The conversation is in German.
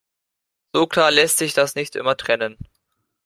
So klar lässt sich das nicht immer trennen.